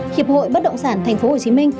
hiệp hội bất động sản tp hcm